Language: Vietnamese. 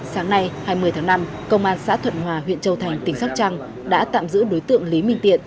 sáng nay hai mươi tháng năm công an xã thuận hòa huyện châu thành tỉnh sóc trăng đã tạm giữ đối tượng lý minh tiện